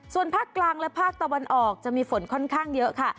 ส่วนภาคกลางและภาคตะวันออกจะมีฝนค่อนข้างเยอะค่ะ